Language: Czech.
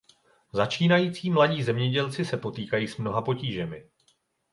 Začínající mladí zemědělci se potýkají s mnoha potížemi.